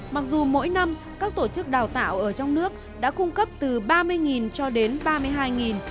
mặc dù mỗi năm các tổ chức đào tạo ở trong nước đã cung cấp từ ba mươi cho đến ba mươi hai